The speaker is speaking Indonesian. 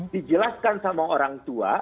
dijelaskan sama orang tua